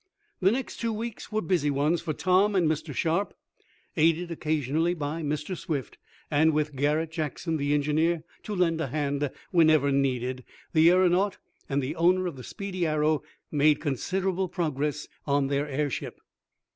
The next two weeks were busy ones for Tom and Mr. Sharp. Aided occasionally by Mr. Swift, and with Garret Jackson, the engineer, to lend a hand whenever needed, the aeronaut and the owner of the speedy Arrow made considerable progress on their airship.